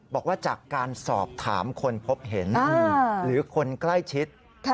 บอกว่าจากการสอบถามคนพบเห็นหรือคนใกล้ชิด